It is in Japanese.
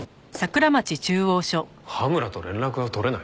羽村と連絡が取れない？